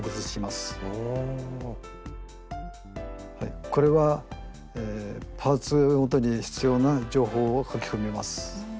スタジオはいこれはパーツをもとに必要な情報を書き込みます。